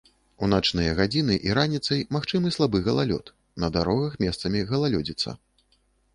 У начныя гадзіны і раніцай магчымы слабы галалёд, на дарогах месцамі галалёдзіца.